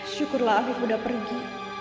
syukurlah aku udah pergi